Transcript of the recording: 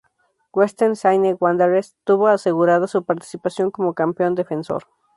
Western Sydney Wanderers tuvo asegurada su participación como campeón defensor.